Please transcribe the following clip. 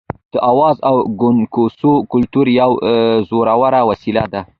د اوازو او ګونګوسو کلتور یوه زوروره وسله ده.